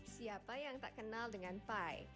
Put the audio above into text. siapa yang tak kenal dengan pie